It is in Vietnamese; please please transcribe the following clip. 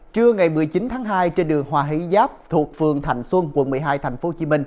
trưa ngày một mươi chín tháng hai trên đường hòa hi giáp thuộc phường thạnh xuân quận một mươi hai tp hcm